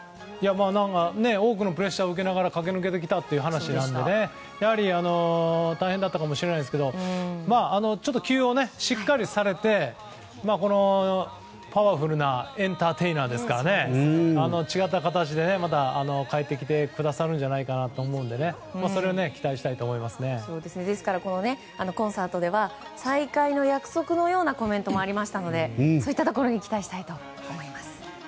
多くのプレッシャーを受けながら駆け抜けてきたという話なのでやはり、大変だったかもしれないですがちょっと休養をしっかりされてパワフルなエンターテイナーですから違った形でまた、帰ってきてくださるのではと思いますのでコンサートでは再会の約束のようなコメントもありましたのでそういったところに期待したいと思います。